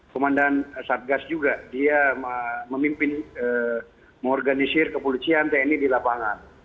komandan satgas juga dia memimpin mengorganisir kepolisian tni di lapangan